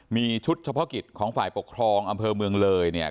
มีชุดเฉพาะกิจของฝ่ายปกครองอำเภอเมืองเลยเนี่ย